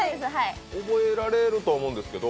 覚えられると思うんですけど。